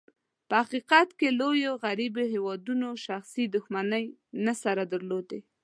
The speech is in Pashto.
په حقیقت کې، لوېو غربي هېوادونو شخصي دښمني نه سره درلوده.